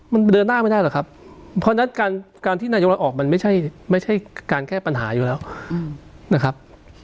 มันเดินหน้าไม่ได้หรอกครับเพราะฉะนั้นการที่นายกรัฐออกมันไม่ใช่การแก้ปัญหาอยู่แล้วนะครับ